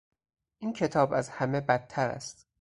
این کتاب از همه بدتر است.